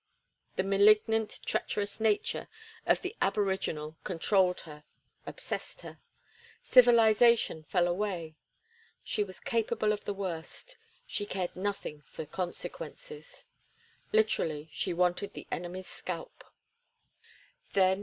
The malignant, treacherous nature of the aboriginal controlled her, obsessed her. Civilization fell away; she was capable of the worst; she cared nothing for consequences. Literally, she wanted the enemy's scalp.